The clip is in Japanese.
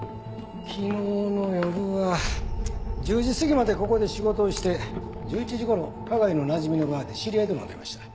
昨日の夜は１０時過ぎまでここで仕事をして１１時頃花街のなじみのバーで知り合いと飲んでました。